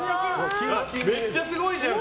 めっちゃすごいじゃん！